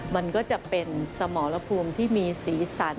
มันก็จะเป็นสมรภูมิที่มีสีสัน